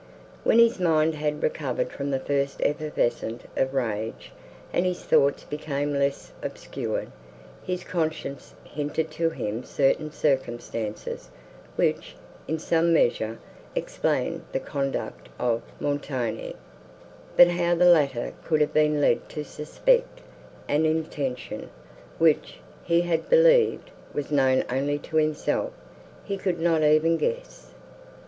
When his mind had recovered from the first effervescence of rage, and his thoughts became less obscured, his conscience hinted to him certain circumstances, which, in some measure, explained the conduct of Montoni: but how the latter could have been led to suspect an intention, which, he had believed, was known only to himself, he could not even guess.